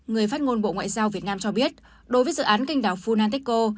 người phát ngôn bộ ngoại giao việt nam cho biết đối với dự án kênh đảo phunanteco